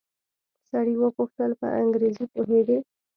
سړي وپوښتل په انګريزي پوهېږې.